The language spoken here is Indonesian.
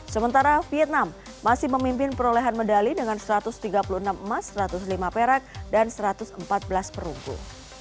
sementara vietnam masih memimpin perolehan medali dengan satu ratus tiga puluh enam emas satu ratus lima perak dan satu ratus empat belas perunggu